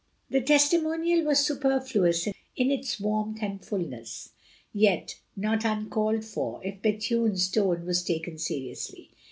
The testimonial was superfluous in its warmth and fulness, yet not uncalled for if Bethune's tone were taken seriously.